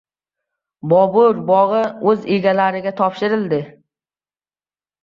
"Bobur" bog'i o'z egalariga topshirildi.